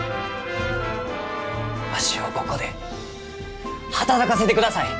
わしをここで働かせてください！